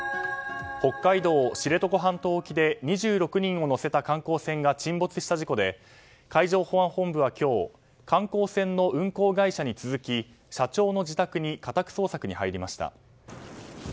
北海道知床半島沖で２６人を乗せた観光船が沈没した事故で海上保安本部は今日観光船の運航会社に続き社長の自宅に家宅捜索に入りました。